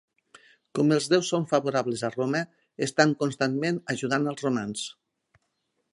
Com els déus són favorables a Roma, estan constantment ajudant els romans.